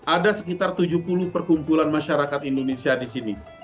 ada sekitar tujuh puluh perkumpulan masyarakat indonesia di sini